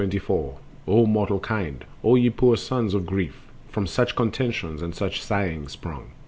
O mortal kind! O ye poor sons of grief! From such contentions and such sighings sprung!